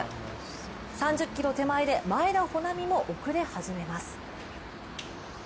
３０ｋｍ手前で、前田穂南も遅れ始めます。